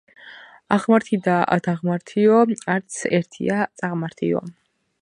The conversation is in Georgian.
აღმართი და დაღმართიო არც ერთია წაღმართიო.